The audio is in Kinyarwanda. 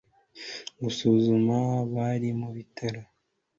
gusuzumaabari mu bitaro